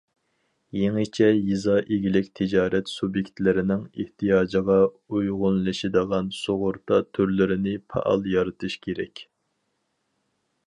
يېڭىچە يېزا ئىگىلىك تىجارەت سۇبيېكتلىرىنىڭ ئېھتىياجىغا ئۇيغۇنلىشىدىغان سۇغۇرتا تۈرلىرىنى پائال يارىتىش كېرەك.